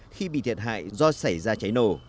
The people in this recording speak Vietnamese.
khi bị thiệt hại do xảy ra cháy nổ